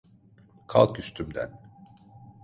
Kalk üstümden!